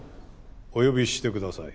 お呼びしてください。